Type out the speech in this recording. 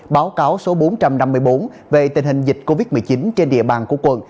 báo cáo số bốn trăm năm mươi bốn về tình hình dịch covid một mươi chín trên địa bàn của quận